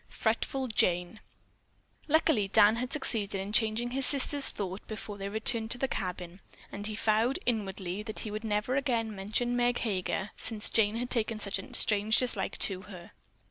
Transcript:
FRETFUL JANE Luckily Dan had succeeded in changing his sister's thought before they returned to the cabin, and he vowed inwardly that he would never again mention Meg Heger, since Jane had taken such a strange dislike to her.